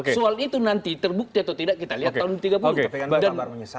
soal itu nanti terbukti atau tidak kita lihat tahun tiga puluh kpk